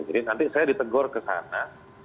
jadi nanti saya ditegor ke sana